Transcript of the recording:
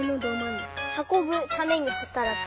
はこぶためにはたらく。